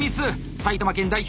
埼玉県代表